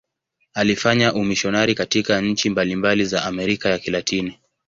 Alifanya umisionari katika nchi mbalimbali za Amerika ya Kilatini.